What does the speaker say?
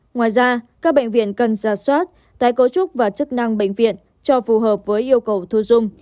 ngoài ra các bệnh viện cần ra soát tái cấu trúc và chức năng bệnh viện cho phù hợp với yêu cầu thu dung